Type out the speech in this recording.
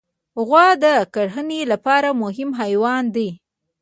غوا د کرهڼې لپاره مهم حیوان دی.